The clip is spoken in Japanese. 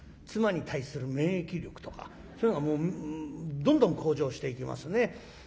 妻に対する免疫力とかそういうのがどんどん向上していきますね。